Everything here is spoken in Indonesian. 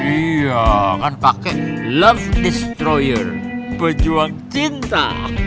iya kan pakai love destroyer pejuang cinta